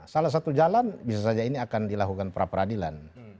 salah satu jalan bisa saja ini akan dilakukan pra peradilan